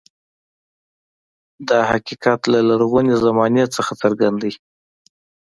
دا حقیقت له لرغونې زمانې څخه څرګند دی.